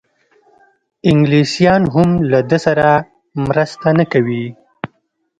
انګلیسیان هم له ده سره مرسته نه کوي.